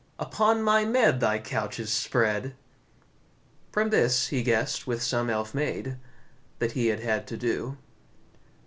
Upon my mead thy couch is spread." From this he guessed with some elf maid That he had had to do.